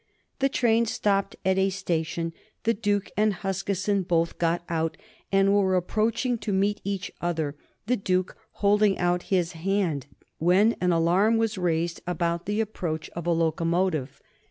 The train stopped at a station; the Duke and Huskisson both got out, and were approaching to meet each other, the Duke holding out his hand, when an alarm was raised about the approach of a locomotive.